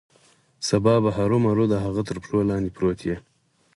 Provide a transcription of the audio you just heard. سبا به هرومرو د هغه تر پښو لاندې پروت یې.